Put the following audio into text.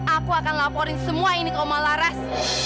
aku akan laporin semua ini ke malaras